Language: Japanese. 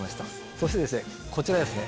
そしてこちらですね。